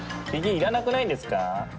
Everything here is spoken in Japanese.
ひげいらなくないですか？